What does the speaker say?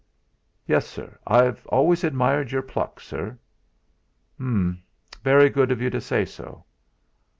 "Yes, sir; I've always admired your pluck, sir. "Um! Very good of you to say so."